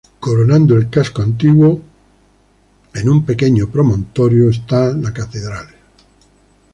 Coronando el Casco Antiguo, en un pequeño promontorio, esta la catedral.